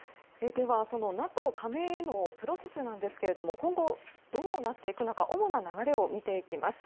では、ＮＡＴＯ加盟へのプロセスですが今後、どうなっていくのか主な流れを見ていきます。